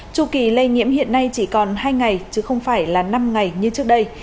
tru kỳ lây nhiễm hiện nay chỉ còn hai ngày chứ không phải là năm ngày như trước đây